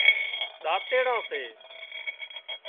ۮاتيڙان سي